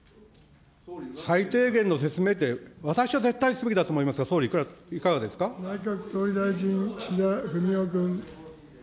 最低限の説明って、私は絶対すべきだと思いますが、総理、いかが内閣総理大臣、岸田文雄君。